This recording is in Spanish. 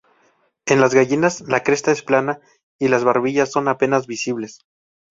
En las gallinas la cresta es plana y las barbillas son apenas visibles.